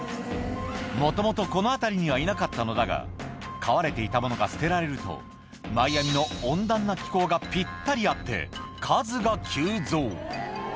もともとこの辺りにはいなかったのだが、飼われていたものが捨てられると、マイアミの温暖な気候がぴったり合って、数が急増。